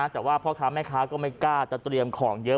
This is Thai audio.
แต่ว่าพ่อค้าแม่ค้าก็ไม่กล้าจะเตรียมของเยอะ